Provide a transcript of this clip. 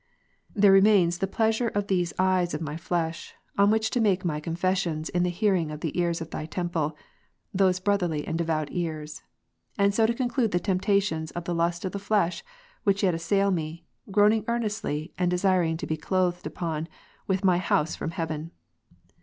There remains the pleasure of these eyes of my flesh, on which to make my confessions in the hearing of the ears of Thy temple, those brotherly and devout ears ; and so to conclude the temptations of the lust of the flesh, which yet assail me, groaning earnestly, and desiring to be p Cor. 5, clothed upon with my house from heaven.